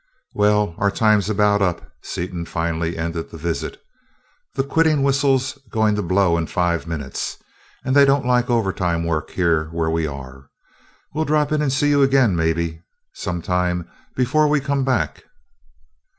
"Well, our time's about up," Seaton finally ended the visit. "The quitting whistle's going to blow in five minutes, and they don't like overtime work here where we are. We'll drop in and see you again maybe, sometime before we come back."